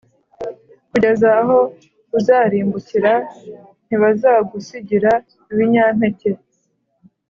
kugeza aho uzarimbukira.+ ntibazagusigira ibinyampeke,